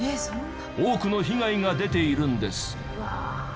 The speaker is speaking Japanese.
多くの被害が出ているんです。